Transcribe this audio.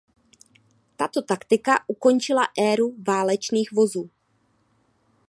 Tato taktika ukončila éru válečných vozů.